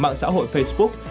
mạng xã hội facebook